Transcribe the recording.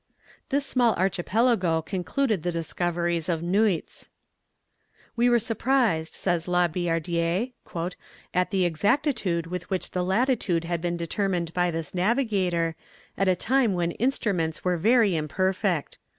This small archipelago concluded the discoveries of Nuyts. "We were surprised," says La Billardière, "at the exactitude with which the latitude had been determined by this navigator, at a time when instruments were very imperfect.